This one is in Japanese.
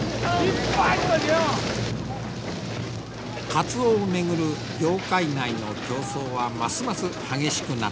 カツオをめぐる業界内の競争はますます激しくなっていく。